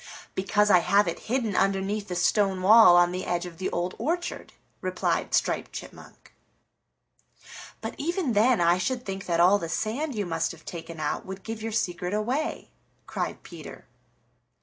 "Because I have it hidden underneath the stone wall on the edge of the Old Orchard," replied Striped Chipmunk. "But even then, I should think that all the sand you must have taken out would give your secret away," cried Peter.